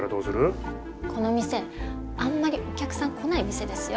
この店あんまりお客さん来ない店ですよ。